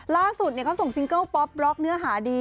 ล่าสุดเขาส่งซิงเกิลป๊อปบล็อกเนื้อหาดี